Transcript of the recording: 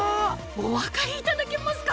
お分かりいただけますか？